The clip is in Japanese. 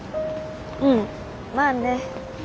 うんまあね。